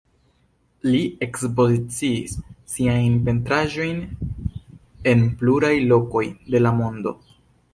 Li ekspoziciis siajn pentraĵojn en pluraj lokoj de la mondo.